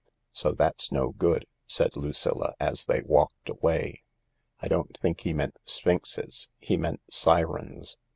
So that's no good," said Lucilla, as they walked away. " I don't think he meant sphinxes. He meant sirens.